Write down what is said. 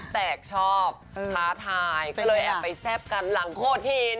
แตกชอบท้าทายก็เลยแอบไปแซ่บกันหลังโคธิน